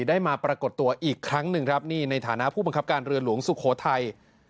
ได้มาปรากฏตัวอีกครั้งหนึ่งครับนี่ในฐานะผู้บังคับการเรือหลวงสุโขทัย